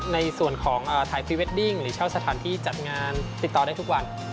ในส่วนของถ่ายพรีเวดดิ้งหรือเช่าสถานที่จัดงานติดต่อได้ทุกวัน